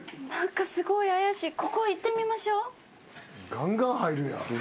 ガンガン入るんや。